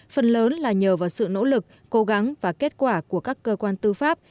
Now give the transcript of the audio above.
phần lớn là nhờ vào sự nỗ lực cố gắng và kết quả của các cơ quan tư pháp